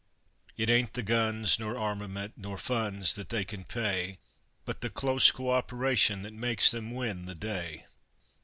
It ain't the guns nor armament, Nor funds that they can pay, But the close co operation, That makes them win the day.